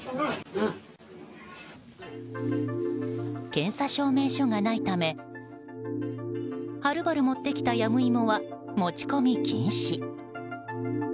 検査証明書がないためはるばる持ってきたヤムイモは持ち込み禁止。